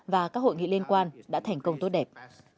và các hội nghị liên quan đã thành công tốt đẹp